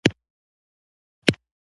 نور شرکتونه هم هلته وو خو خورا پیکه وو